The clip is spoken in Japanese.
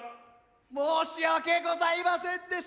申し訳ございませんでした。